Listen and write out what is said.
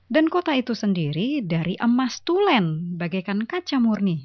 dan kota itu sendiri dari emas tulen bagaikan kaca murni